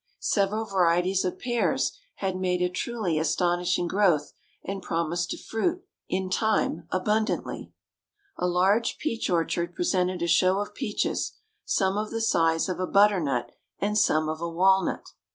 Several varieties of pears had made a truly astonishing growth, and promise to fruit, in time, abundantly. A large peach orchard presented a show of peaches, some of the size of a butternut, and some of a walnut.